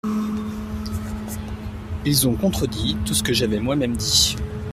Ils ont contredit tout ce que j’avais moi-même dit.